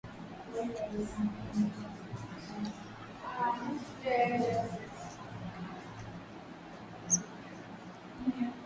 pofu na baadhi ya wengine pia Huweza kula kilogramu thelathini kwa siku Baada ya